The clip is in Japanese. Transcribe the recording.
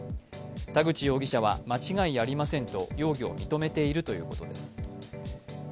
田口容疑者は、間違いありませんと容疑を認めているということです。